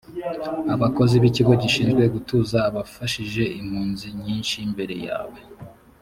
abakozi b ikigo gishinzwe gutuza bafashije impunzi nyinshi mbere yawe